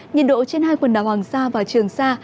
nhiệt độ trên hai quần đảo hoàng sa và trường sa